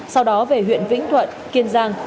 sau đó về huyện vĩnh thuận kiên giang